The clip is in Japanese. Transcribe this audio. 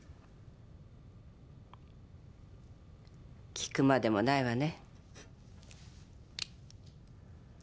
聞くまでもないわね。